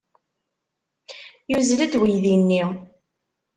Yuzzel-d uydi-nni.